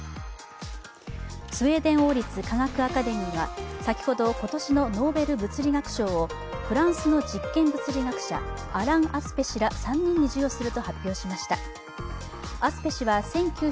スウェーデン王立科学アカデミーは先ほど、今年のノーベル物理学賞をフランスの実験物理学者アラン・アスペ氏ら３人に授与すると発表しました。